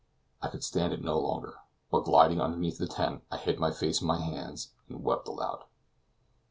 I could stand it no longer, but gliding underneath the tent I hid my face in my hands and wept aloud.